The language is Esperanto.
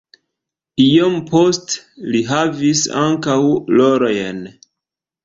Iom poste li havis ankaŭ rolojn.